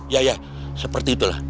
ya ya seperti itulah